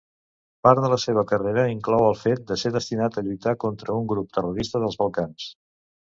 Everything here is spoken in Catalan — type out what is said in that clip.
Part de la seva carrera inclou el fet de ser destinat a lluitar contra un grup terrorista dels Balcans.